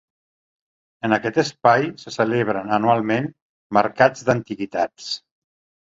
En aquest espai, se celebren anualment mercats d'antiguitats.